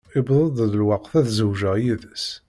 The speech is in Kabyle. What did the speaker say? Iwweḍ-d lweqt ad zewǧeɣ yid-s.